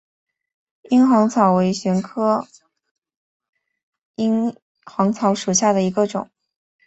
阴行草为玄参科阴行草属下的一个种。